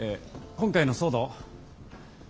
今回の騒動